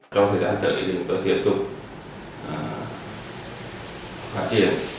trong thời gian tới chúng tôi tiếp tục phát triển